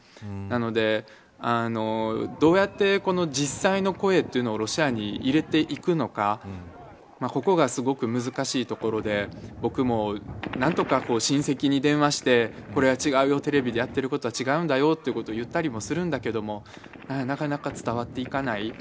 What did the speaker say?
なので、どうやってこの実際の声というのをロシアに入れていくのかここがすごく難しいところで僕も何とか親戚に電話してこれは違うよ、テレビでやってることは違うんだよということを言ったりもするんだけどなかなか伝わっていかない。